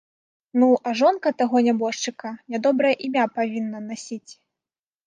Ну, а жонка таго нябожчыка нядобрае імя павінна насіць?